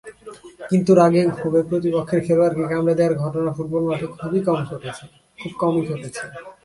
কিন্তু রাগে-ক্ষোভে প্রতিপক্ষের খেলোয়াড়কে কামড়ে দেওয়ার ঘটনা ফুটবল মাঠে খুব কমই ঘটেছে।